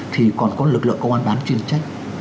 thì còn có lực lượng công an bán chuyên trách